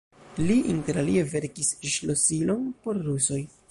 Li inter alie verkis ŝlosilon por rusoj.